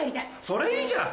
それいいじゃん。